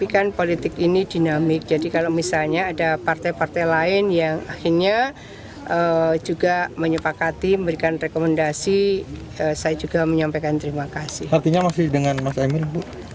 kofifa mempersilahkan kepada partai lain untuk memberikan rekomendasi kepada calon wakil gubernurnya